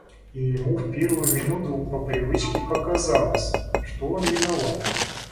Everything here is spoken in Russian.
И ему в первую минуту по привычке показалось, что он виноват.